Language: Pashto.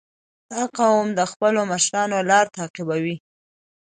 • دا قوم د خپلو مشرانو لار تعقیبوي.